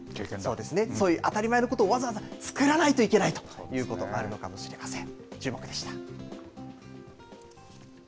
そういう当たり前のことを、わざわざ作らないといけないということあるのかもしれません。